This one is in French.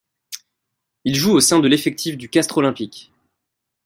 Il joue au sein de l'effectif du Castres olympique.